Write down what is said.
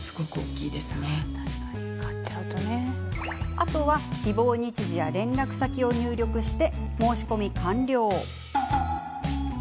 あとは、希望日時や連絡先を入力して申し込み完了。